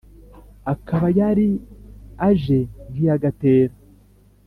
Akaba yari aje nk'iya Gatera